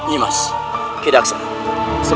nimas kita akan berusaha